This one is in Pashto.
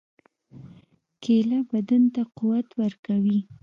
کېله بدن ته قوت ورکوي.